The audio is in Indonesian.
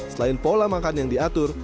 selain pola makan yang diatur